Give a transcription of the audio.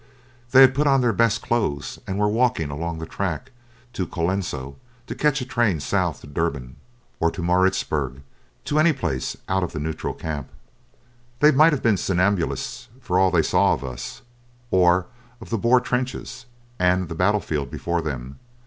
They had put on their best clothes, and were walking along the track to Colenso to catch a train south to Durban or to Maritzburg, to any place out of the neutral camp. They might have been somnambulists for all they saw of us, or of the Boer trenches and the battle field before them.